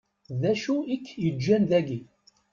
D acu i k-yeǧǧan dagi?